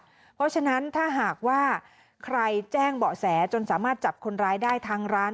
เพราะฉะนั้นถ้าหากว่าใครแจ้งเบาะแสจนสามารถจับคนร้ายได้ทางร้าน